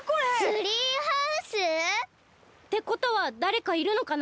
ツリーハウス！？ってことはだれかいるのかな？